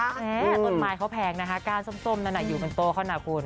ต้นไม้เค้าแพงกาสสมอยู่ขนาดคุณ